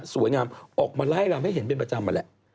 สวยงามออกมาไล่รำให้เห็นเป็นประจำนั่นแหละ